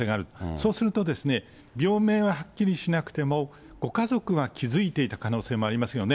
そうするとですね、病名ははっきりしなくても、ご家族は気付いていた可能性もありますよね。